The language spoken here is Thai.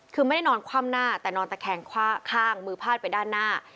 คือไม่ได้นอนคว่ำหน้าแต่นอนตะแคงข้างมือพาดไปด้านหน้า